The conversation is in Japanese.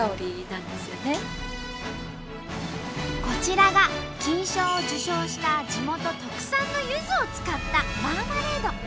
こちらが金賞を受賞した地元特産のゆずを使ったマーマレード。